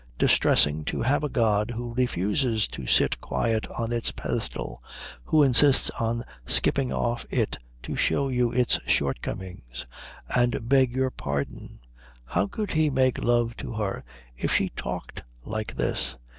Distressing to have a god who refuses to sit quiet on its pedestal, who insists on skipping off it to show you its shortcomings and beg your pardon. How could he make love to her if she talked like this?